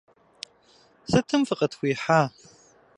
Сытым фыкъытхуихьа?